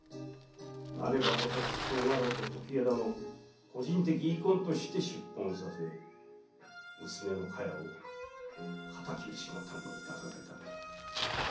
なればこそ筆頭家老と時枝の個人的遺恨として出奔させ娘のかやを仇討ちの旅に出させたのじゃ。